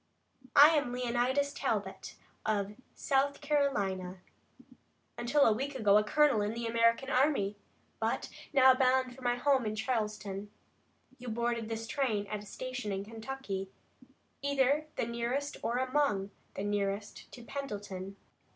I am Leonidas Talbot, of South Carolina, until a week ago a colonel in the American army, but now bound for my home in Charleston. You boarded this train at a station in Kentucky, either the nearest or among the nearest to Pendleton.